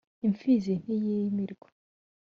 Impfizi ntiyimirwa.